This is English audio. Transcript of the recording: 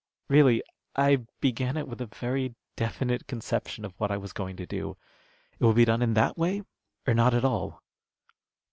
Really I began it with a very definite conception of what I was going to do. It will be done in that way or not at all."